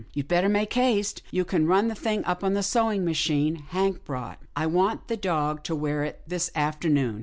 You'd better make haste. You can run the thing up on the sewing machine Hank bought you. I'll want the dog to wear it this afternoon."